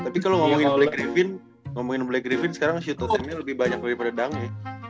tapi kalo ngomongin black griffin sekarang shootout timnya lebih banyak daripada dang ya